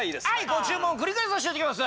ご注文繰り返させていただきます。